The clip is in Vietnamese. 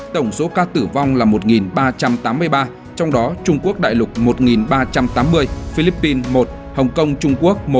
tổng số ca tử vong là một ba trăm tám mươi ba trong đó trung quốc đại lục một ba trăm tám mươi philippines một hong kong trung quốc một